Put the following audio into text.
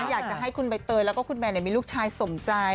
อยากจะให้คุณใบเตยแล้วก็คุณแมนมีลูกชายสมใจ